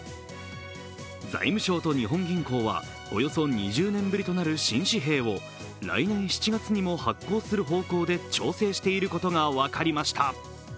財務省と日本銀行は、およそ２０年ぶりとなる新紙幣を来年７月にも発行する方向で調整していることが分かりました。